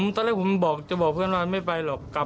ตอนแรกผมบอกจะบอกเพื่อนว่าไม่ไปหรอก